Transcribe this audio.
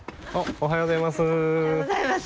おはようございます。